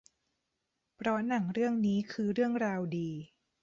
เพราะหนังเรื่องนี้คือเรื่องราวดี